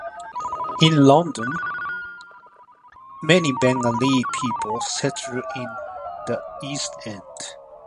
In London, many Bengali people settled in the East End.